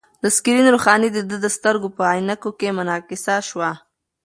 د سکرین روښنايي د ده د سترګو په عینکې کې منعکسه شوه.